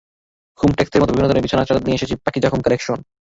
Home টেক্সের মতো বিভিন্ন ধরনের বিছানার চাদর নিয়ে এসেছে পাকিজা হোম কালেকশন।